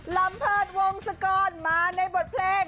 ลำเพิษวงศกรมาในบทเพลง